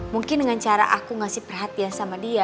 mungkin dengan cara aku ngasih perhatian sama dia